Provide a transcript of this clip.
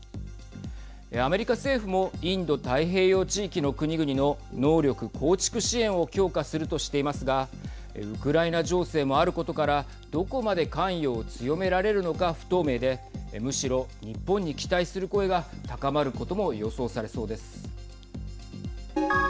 アメリカ政府もインド太平洋地域の国々の能力構築支援を強化するとしていますがウクライナ情勢もあることからどこまで関与を強められるのか不透明でむしろ日本に期待する声が高まることも予想されそうです。